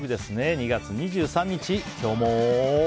２月２３日、今日も。